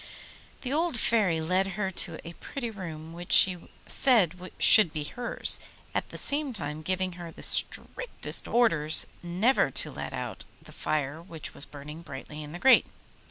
The old Fairy led her to a pretty room which she said should be hers, at the same time giving her the strictest orders never to let out the fire which was burning brightly in the grate.